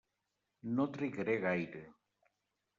No trigaré gaire.